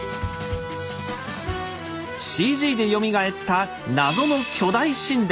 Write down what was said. ＣＧでよみがえった謎の巨大神殿。